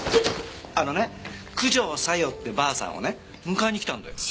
あのね九条さよってばあさんをね迎えに来たんだよ。